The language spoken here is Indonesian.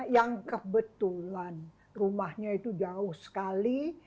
yang kebetulan rumahnya itu jauh sekali